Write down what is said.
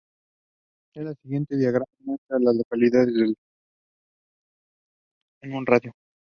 Raylan promises Jed protection for him and his family for his testimony.